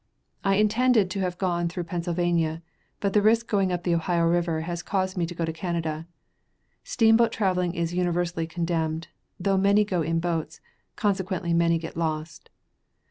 I intended to have gone through Pennsylvania, but the risk going up the Ohio river has caused me to go to Canada. Steamboat traveling is universally condemned, though many go in boats, consequently many get lost.